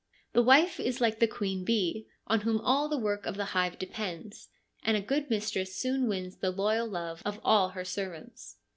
The wife is like the queen bee, on whom all the work of the hive depends ; and a good mistress soon wins the loyal love of all her servants.